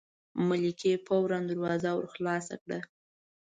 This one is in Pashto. ملکې فوراً دروازه ور خلاصه کړه.